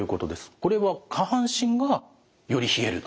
これは下半身がより冷えると。